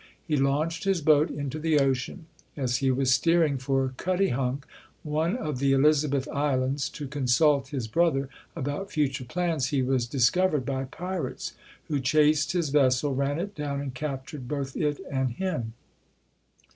He launched his boat into the ocean. As he was steering for Cutty hunk, one of the Elizabeth Is lands, to consult his brother about future plans, he was discovered by pirates, who chased his ves sel, ran it down and captured both it and him.